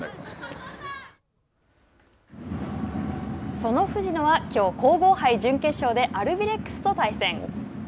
その藤野は、きょう、皇后杯準決勝でアルビレックスと対戦。